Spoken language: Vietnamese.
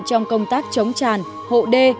trong công tác chống tràn hộ đê